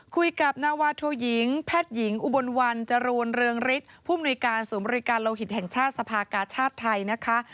คุยกับนาวาโทยิงแพทย์หญิงอุบลวันจรูนเรืองฤทธิ์ผู้มนุยการศูนย์บริการโลหิตแห่งชาติสภากาชาติไทยนะคะ